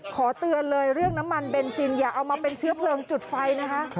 ขอเตือนเลยเรื่องน้ำมันเบนซินอย่าเอามาเป็นเชื้อเพลิงจุดไฟนะคะ